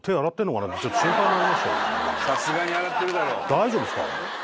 大丈夫っすか？